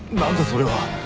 それは。